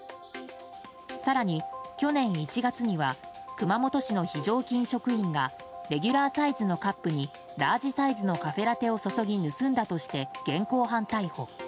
更に去年１月には熊本市の非常勤職員がレギュラーサイズのカップにラージサイズのカフェラテを注ぎ盗んだとして現行犯逮捕。